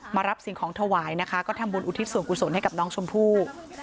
รับสิ่งของถวายนะคะก็ทำบุญอุทิศส่วนกุศลให้กับน้องชมพู่